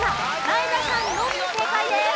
前田さんのみ正解です。